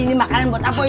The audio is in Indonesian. ini makanan buat apa ini